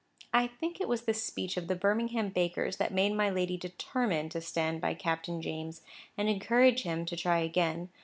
I think it was this speech of the Birmingham baker's that made my lady determine to stand by Captain James, and encourage him to try again.